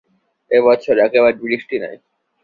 এ বছর একেবারে বৃষ্টি নাই।